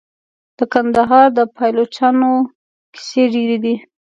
د کندهار د پایلوچانو کیسې ډیرې دي.